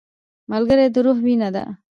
ملګری د روح وینه ده